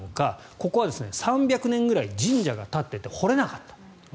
ここは３００年ぐらい神社が立っていて掘れなかった。